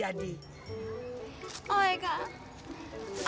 aku tetap mencintai kamu